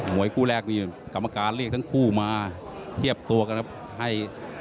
มวยกู้แรกมีกรางมากราศิเรียกทั้งคู่มาเทียบตัวกันครับ